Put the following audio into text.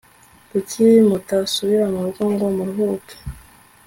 kuki mutasubira murugo ngo muruhuke